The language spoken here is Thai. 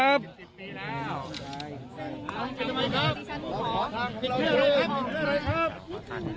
พระบุว่าจะมารับคนให้เดินทางเข้าไปในวัดพระธรรมกาลนะคะ